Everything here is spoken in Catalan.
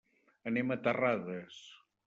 Anem a Terrades.